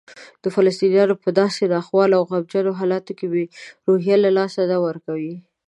فلسطینیان په داسې ناخوالو او غمجنو حالاتو کې روحیه له لاسه نه ورکوي.